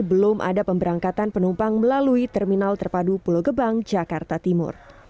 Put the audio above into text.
belum ada pemberangkatan penumpang melalui terminal terpadu pulau gebang jakarta timur